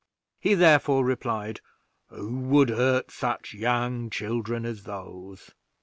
He therefore replied, "Who would hurt such young children as those?